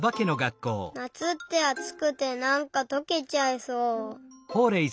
なつってあつくてなんかとけちゃいそう。